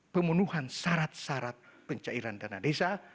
pemenuhan syarat syarat pencairan dana desa